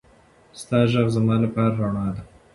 ستا غږ زما لپاره رڼا ده.